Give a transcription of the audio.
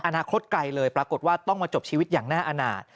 อนาคตไกลเลยปรากฏว่าต้องมาจบชีวิตอย่างน่าอาณาจ